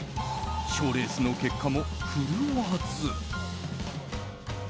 賞レースの結果も振るわず。